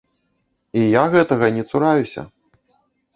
І я гэтага не цураюся.